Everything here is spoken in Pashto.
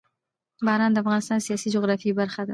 باران د افغانستان د سیاسي جغرافیه برخه ده.